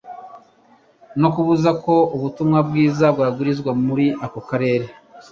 no kubuza ko ubutumwa bwiza bwabwirizwa muri ako karere.